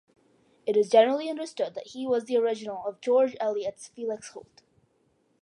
It is generally understood that he was the original of George Eliot's Felix Holt.